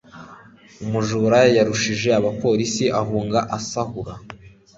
umujura yarushije abapolisi ahunga asahura